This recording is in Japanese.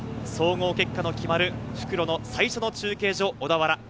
総合結果の決まる復路の最初の中継所・小田原。